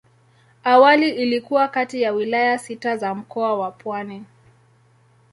Awali ilikuwa kati ya wilaya sita za Mkoa wa Pwani.